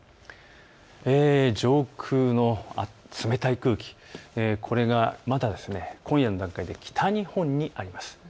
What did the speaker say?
上空の冷たい空気、これがまだ今夜の段階で北日本にあります。